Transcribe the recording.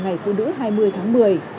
ngày phụ nữ hai mươi tháng một mươi